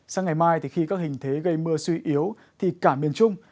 sáng ngày mai thì khi các hình thế gây mưa suy yếu thì cả miền trung